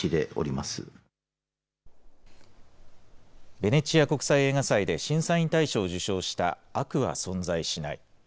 ベネチア国際映画祭で審査員大賞を受賞した悪は存在しない。